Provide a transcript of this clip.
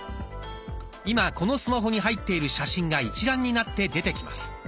今このスマホに入っている写真が一覧になって出てきます。